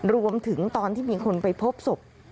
รวมถึงตอนที่มีคนไปพบศพ